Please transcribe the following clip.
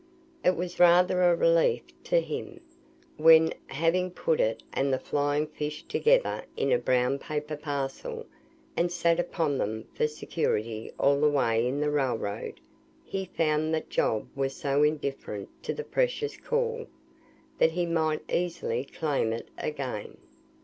It was rather a relief to him, when, having put it and the flying fish together in a brown paper parcel, and sat upon them for security all the way in the railroad, he found that Job was so indifferent to the precious caul, that he might easily claim it again.